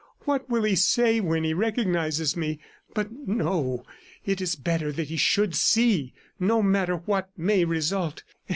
What will he say when he recognizes me? ... But no; it is better that he should see, no matter what may result.